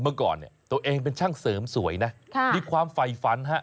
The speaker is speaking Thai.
เมื่อก่อนตัวเองเป็นช่างเสริมสวยนะมีความไฟฟัน